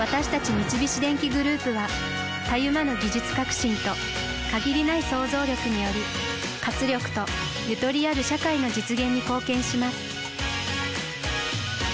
三菱電機グループはたゆまぬ技術革新と限りない創造力により活力とゆとりある社会の実現に貢献します